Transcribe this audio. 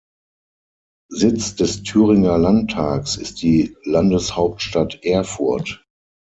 Sitz des Thüringer Landtags ist die Landeshauptstadt Erfurt.